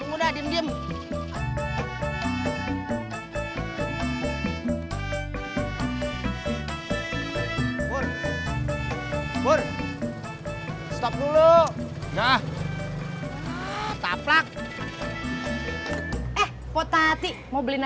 oh beli gorengan kali